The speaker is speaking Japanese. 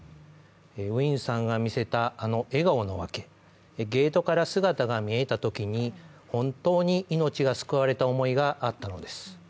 ウィンさんが見せた笑顔の訳、ゲートから姿が見えたときに、本当に命が救われた思いがあったのです。